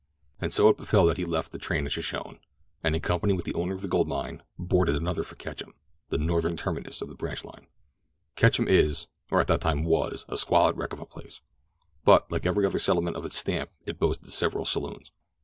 And so it befell that he left the train at Shoshone, and in company with the owner of the gold mine, boarded another for Ketchum, the northern terminus of the branch line. Ketchum is, or at that time was, a squalid wreck of a place; but, like every other settlement of its stamp it boasted several saloons.